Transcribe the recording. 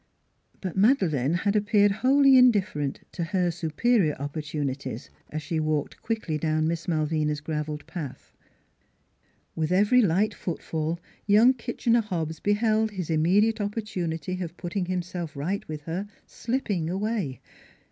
... But Madeleine had appeared wholly indifferent to her superior opportunities, as she walked quickly down Miss Malvina's graveled path. With every light footfall young Kitchener Hobbs beheld his immediate opportunity of putting him self right with her slipping away.